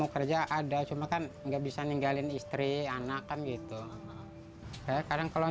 sehat ya buat anak anak